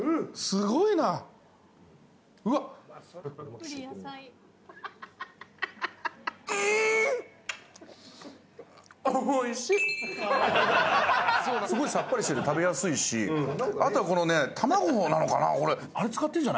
すごいさっぱりしてて食べやすいしあとはこのね卵なのかなぁ。